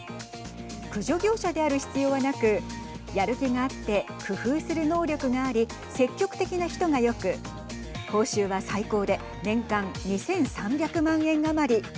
駆除業者である必要はなくやる気があって工夫する能力があり積極的な人がよく報酬は最高で年間２３００万円余り。